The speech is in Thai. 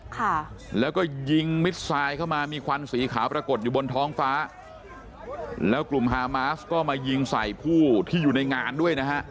ค่ะแล้วก็ยิงมิดทรายเข้ามามีควันสีขาวปรากฏอยู่บนท้องฟ้าแล้วกลุ่มฮามาสก็มายิงใส่ผู้ที่อยู่ในงานด้วยนะฮะ